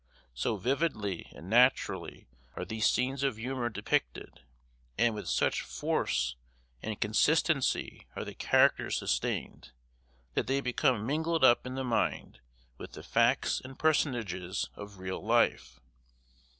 So vividly and naturally are these scenes of humor depicted, and with such force and consistency are the characters sustained, that they become mingled up in the mind with the facts and personages of real life.